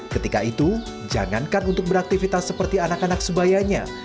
ketika itu jangankan untuk beraktivitas seperti anak anak sebayanya